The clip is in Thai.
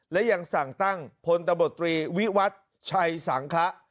และยังสั่งตั้งพลตบตรีวิวัตรชัยสังคะ